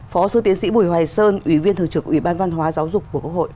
phó sư tiến sĩ bùi hoài sơn ủy viên thượng trưởng của ủy ban văn hóa giáo dục của quốc hội